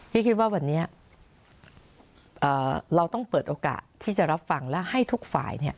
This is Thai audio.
คิดว่าวันนี้เราต้องเปิดโอกาสที่จะรับฟังและให้ทุกฝ่าย